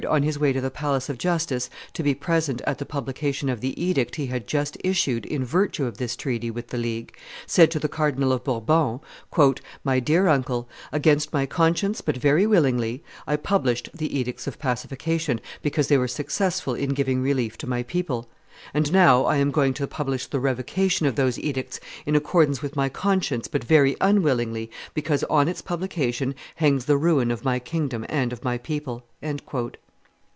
on his way to the Palace of Justice to be present at the publication of the edict he had just issued in virtue of this treaty with the League, said to the Cardinal of Bourbon, "My dear uncle, against my conscience, but very willingly, I published the edicts of pacification, because they were successful in giving relief to my people; and now I am going to publish the revocation of those edicts in accordance with my conscience, but very unwillingly, because on its publication hangs the ruin of my kingdom and of my people."